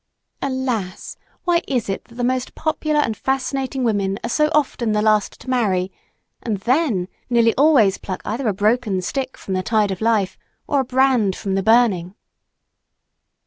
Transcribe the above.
Alas, why is it that the most popular and fascinating women are so often the last to marry, and then nearly always pluck either a broken stick from the tide of life or a brand from the burning?